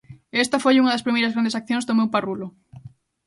E esta foi unha das primeiras grandes accións do meu parrulo.